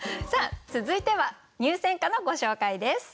続いては入選歌のご紹介です。